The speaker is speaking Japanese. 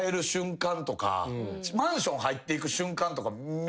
マンション入っていく瞬間とか。